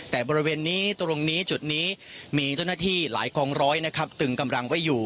แต่บริเวณนี้ตรงนี้จุดนี้มีเจ้าหน้าที่หลายกองร้อยนะครับตึงกำลังไว้อยู่